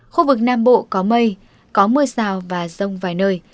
khu vực nam bộ có mây có mưa rào và rông vài nơi